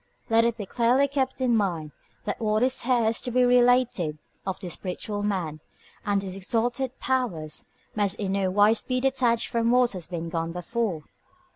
Let it be clearly kept in mind that what is here to be related of the spiritual man, and his exalted powers, must in no wise be detached from what has gone before.